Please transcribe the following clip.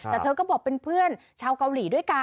แต่เธอก็บอกเป็นเพื่อนชาวเกาหลีด้วยกัน